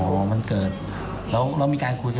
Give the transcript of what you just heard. ลูกเสือเหมือนย้อนไว